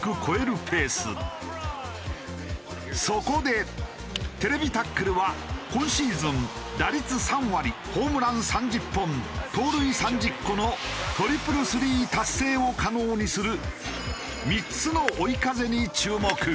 そこで『ＴＶタックル』は今シーズン打率３割ホームラン３０本盗塁３０個のトリプルスリー達成を可能にする３つの追い風に注目。